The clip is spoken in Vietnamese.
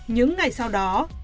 những ngày sau đó